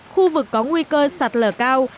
khu vực có nguy cơ sạt lở cao